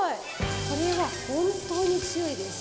これは本当に強いです。